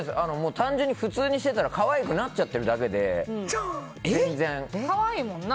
普通にしてたら可愛くなっちゃってるだけで。